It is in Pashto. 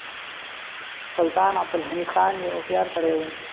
سلطان عبدالحمید خان یو هوښیار سړی و.